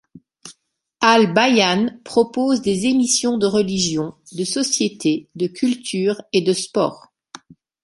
Al Bayane propose des émissions de religions, de société, de culture et de sports.